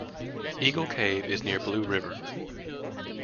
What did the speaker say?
Eagle Cave is near Blue River.